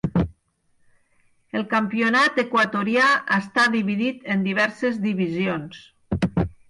El campionat equatorià està dividit en diverses divisions.